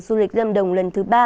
du lịch lâm đồng lần thứ ba